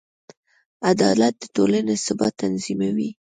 عدالت د ټولنې ثبات تضمینوي.